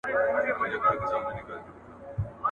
• اسان ئې نالول، چنگوښو هم پښې پورته کړې.